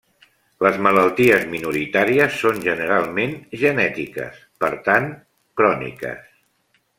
Les malalties minoritàries són generalment genètiques, per tant, cròniques.